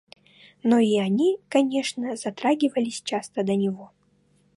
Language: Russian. Но и они, конечно, затрагивались часто до него.